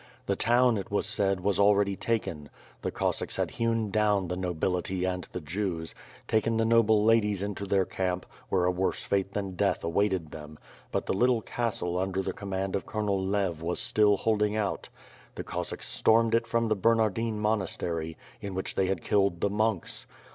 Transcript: The town, it was said, was already taken. The Cossacks had hewn down the nobility and the Jews; tak^n the noble ladies into their camp, where a worse fate than death awaited them; but the little castle under the command of Colonel Lev was still holding out. The Cossacks stormed it from the Ber nardine monastery, in which they had killed the monks.